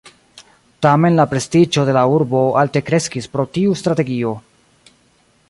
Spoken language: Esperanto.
Tamen la prestiĝo de la urbo alte kreskis pro tiu strategio.